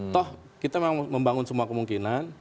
toh kita memang membangun semua kemungkinan